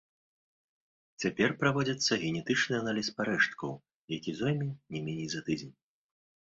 Цяпер праводзіцца генетычны аналіз парэшткаў, які зойме не меней за тыдзень.